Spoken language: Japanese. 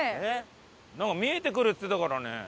なんか「見えてくる」っつってたからね。